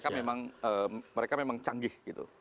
artinya mereka memang canggih